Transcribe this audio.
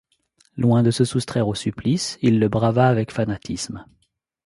Loin de se soustraire au supplice, il le brava avec fanatisme.